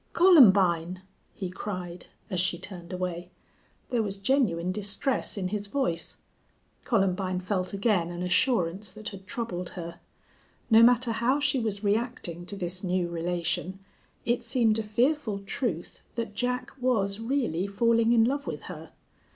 "Columbine!" he cried, as she turned away. There was genuine distress in his voice. Columbine felt again an assurance that had troubled her. No matter how she was reacting to this new relation, it seemed a fearful truth that Jack was really falling in love with her.